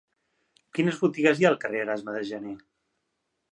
Quines botigues hi ha al carrer d'Erasme de Janer?